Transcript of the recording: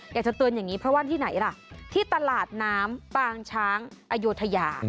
อยากจะเตือนอย่างนี้เพราะว่าที่ไหนล่ะที่ตลาดน้ำปางช้างอโยธยา